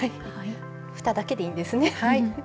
ふただけでいいんですね。